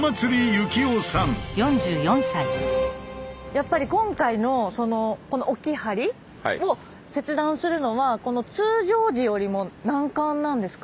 やっぱり今回のこの大きい梁を切断するのは通常時よりも難関なんですか？